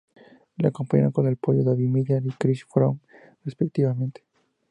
Le acompañaron en el podio David Millar y Chris Froome, respectivamente.